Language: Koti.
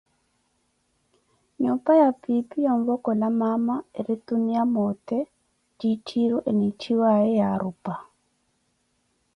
Nyuupa ya piipi woovokola maama eri tuniya moote ttiitthiiru enitthiwaye Yaarupa.